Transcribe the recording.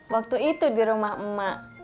waktu itu di rumah emak emak